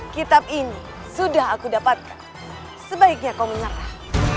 kitab ini sudah aku dapatkan sebaiknya kau menyerah